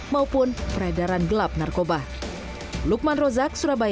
maupun peredaran gelap narkoba